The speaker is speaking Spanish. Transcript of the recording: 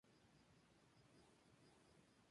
Presentan de una a cuatro semillas en su interior.